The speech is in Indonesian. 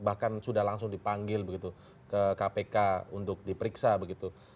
bahkan sudah langsung dipanggil begitu ke kpk untuk diperiksa begitu